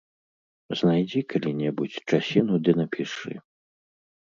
Знайдзі калі-небудзь часіну ды напішы.